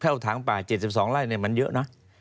แพร่เอาถังป่า๗๒ไร้มันเยอะเนอะ